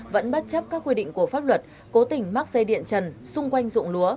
vẫn bất chấp các quy định của pháp luật cố tình mắc dây điện trần xung quanh dụng lúa